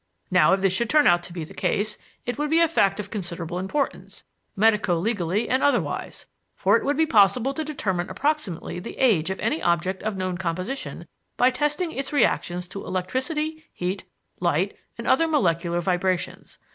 Now, if this should turn out to be the case, it would be a fact of considerable importance, medico legally and otherwise; for it would be possible to determine approximately the age of any object of known composition by testing its reactions to electricity, heat, light and other molecular vibrations.